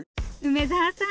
梅沢さん